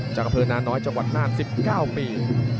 จากกระเพลินหน้าน้อยจังหวัดน่าน๑๙ปี